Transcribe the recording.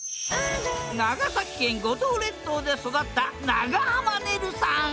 長崎県五島列島で育った長濱ねるさん。